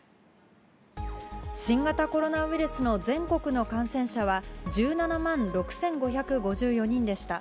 新型コロナウイルスの全国の感染者は、１７万６５５４人でした。